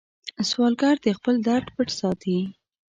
سوالګر د خپل درد پټ ساتي